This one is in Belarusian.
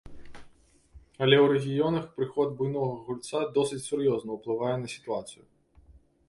Але ў рэгіёнах прыход буйнога гульца досыць сур'ёзна ўплывае на сітуацыю.